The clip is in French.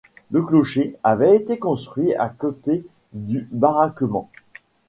Le clocher avait été construit à côté du baraquement.